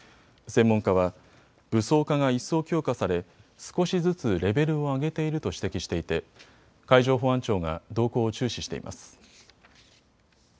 専門家は武装化が一層強化され少しずつレベルを上げていると指摘していて海上保安庁が動向を注視しています。